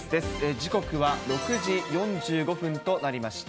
時刻は６時４５分となりました。